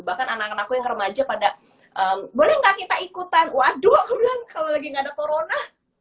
bahkan anak anakku yang remaja pada boleh nggak kita ikutan waduh aku bilang kalau lagi nggak ada corona